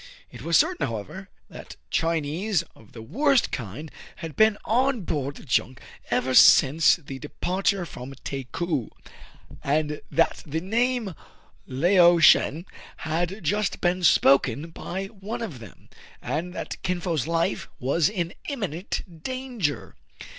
It was certain, however, that Chinese of the worst kind had been on board the junk ever since the departure from Takou, and that the name Lao Shen had just been spoken by one of them, and that Kin Fo*s life was in imminent danger.